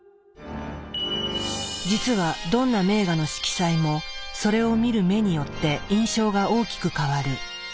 実はどんな名画の色彩もそれを見る目によって印象が大きく変わる。